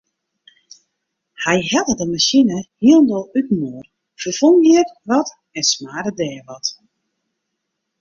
Hy helle de masine hielendal útinoar, ferfong hjir wat en smarde dêr wat.